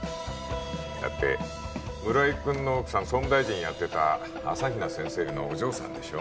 だって村井君の奥さん総務大臣やってた朝比奈先生のお嬢さんでしょ？